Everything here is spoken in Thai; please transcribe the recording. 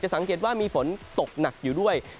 สังเกตว่ามีฝนตกหนักอยู่ด้วย